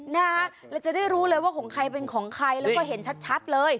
นะฮะเราจะได้รู้เลยว่าของใครเป็นของใครแล้วก็เห็นชัดเลย